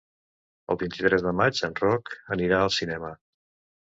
El vint-i-tres de maig en Roc anirà al cinema.